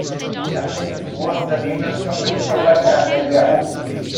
According to both the Reuters company profile and the Yahoo!